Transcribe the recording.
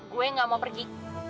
gue gak mau pergi